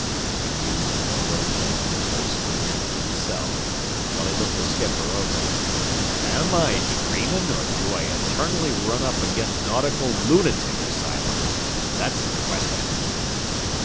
he mused in a low tone, as though speaking to himself, while he looked the skipper over. "Am I dreamin', or do I eternally run up ag'in nautical loonatic asylums? That's the question."